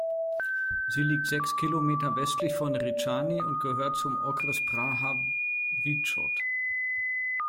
Sie liegt sechs Kilometer westlich von Říčany und gehört zum Okres Praha-východ.